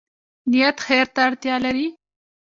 نیت خیر ته اړتیا لري